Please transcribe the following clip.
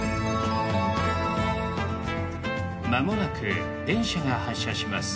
間もなく電車が発車します。